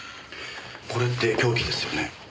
これって凶器ですよね。